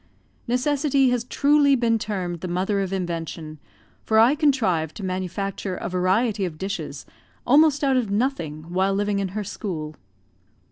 Necessity has truly been termed the mother of invention, for I contrived to manufacture a variety of dishes almost out of nothing, while living in her school.